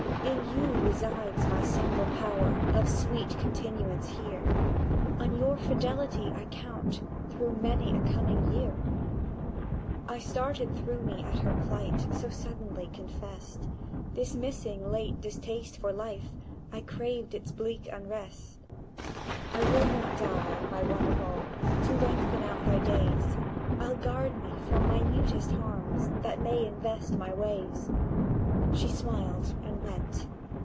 "In you resides my single power Of sweet continuance here; On your fidelity I count Through many a coming year." —I started through me at her plight, So suddenly confessed: Dismissing late distaste for life, I craved its bleak unrest. "I will not die, my One of all!— To lengthen out thy days I'll guard me from minutest harms That may invest my ways!" She smiled and went.